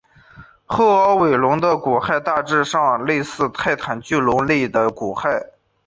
后凹尾龙的骨骸大致上类似泰坦巨龙类的骨骸。